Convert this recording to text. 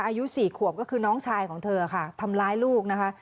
อายุ๔ขวบก็คือน้องชายของเธอค่ะทำร้ายลูกนะคะ